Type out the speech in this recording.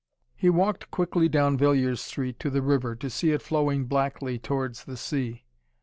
He walked quickly down Villiers Street to the river, to see it flowing blackly towards the sea.